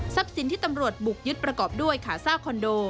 สินที่ตำรวจบุกยึดประกอบด้วยขาซ่าคอนโด